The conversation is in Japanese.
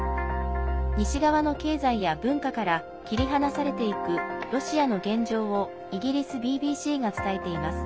西側の経済や文化から切り離されていくロシアの現状をイギリスＢＢＣが伝えています。